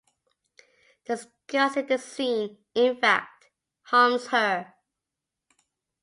Discussing the scene, in fact, harms her.